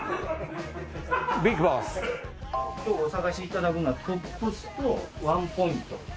今日お探しいただくのはトップスとワンポイント。